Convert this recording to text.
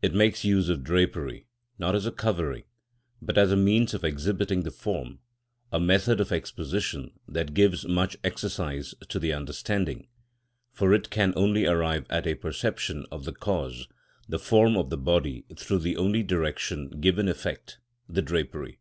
It makes use of drapery, not as a covering, but as a means of exhibiting the form, a method of exposition that gives much exercise to the understanding, for it can only arrive at a perception of the cause, the form of the body, through the only directly given effect, the drapery.